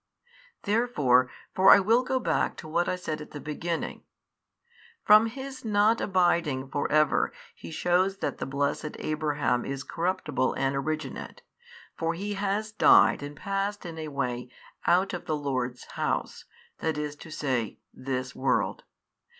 Therefore (for I will go back to what I said at the beginning) from his not abiding for ever He shews that the blessed Abraham is corruptible and originate, for he has died and passed in a way out of the Lord's house, i. e. this world.